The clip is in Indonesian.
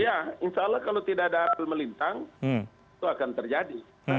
ya insya allah kalau tidak ada aral melintang itu akan terjadi